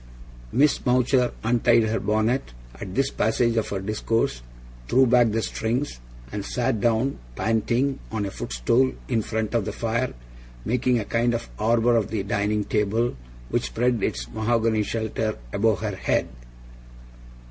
Miss Mowcher untied her bonnet, at this passage of her discourse, threw back the strings, and sat down, panting, on a footstool in front of the fire making a kind of arbour of the dining table, which spread its mahogany shelter above her head.